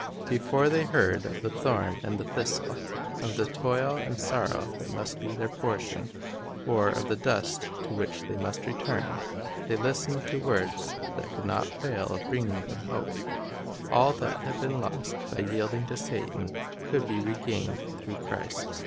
Before they heard of the thorn and the thistle, of the toil and sorrow that must be their portion, or of the dust to which they must return, they listened to words that could not fail of giving them hope. All that had been lost by yielding to Satan could be regained through Christ.